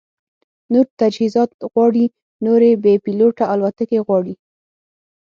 نور تجهیزات غواړي، نورې بې پیلوټه الوتکې غواړي